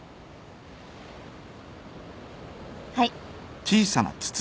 はい。